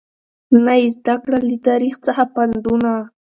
نه یې زده کړل له تاریخ څخه پندونه